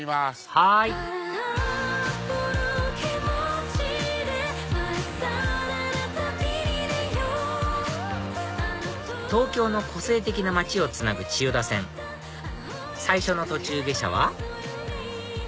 はい東京の個性的な街をつなぐ千代田線最初の途中下車は？